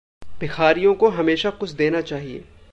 भिखारियों को हमेशा कुछ देना चाहिए।